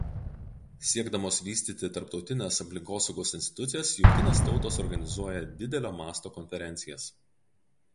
Siekdamos vystyti tarptautines aplinkosaugos institucijas Jungtinės Tautos organizuoja didelio masto konferencijas.